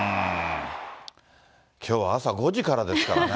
きょうは朝５時からですからね。